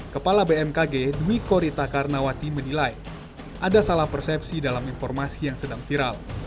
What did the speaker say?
kepala bmkg dwi korita karnawati menilai ada salah persepsi dalam informasi yang sedang viral